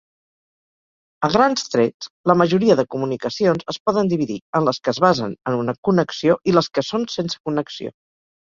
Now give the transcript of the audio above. A grans trets, la majoria de comunicacions es poden dividir en les que es basen en una connexió i les que són sense connexió.